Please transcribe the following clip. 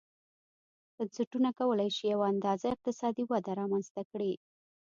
بنسټونه کولای شي چې یوه اندازه اقتصادي وده رامنځته کړي.